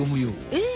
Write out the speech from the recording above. えっ？